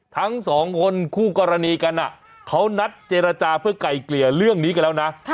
ทั้งสองคนคู่กรณีกันเขานัดเจรจาเพื่อไกลเกลี่ยเรื่องนี้กันแล้วนะ